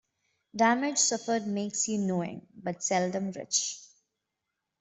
Damage suffered makes you knowing, but seldom rich.